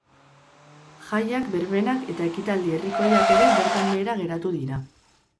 Jaiak, berbenak eta ekitaldi herrikoiak ere bertan behera geratu dira.